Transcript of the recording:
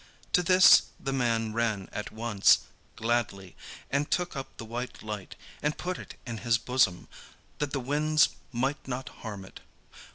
To this the man ran at once, gladly, and took up the white light, and put it in his bosom, that the winds might not harm it.